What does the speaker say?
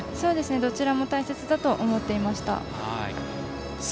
どちらも大切だと思っていました。